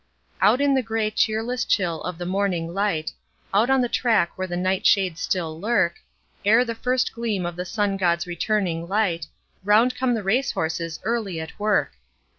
Out in the grey cheerless chill of the morning light, Out on the track where the night shades still lurk; Ere the first gleam of the sungod's returning light, Round come the race horses early at work.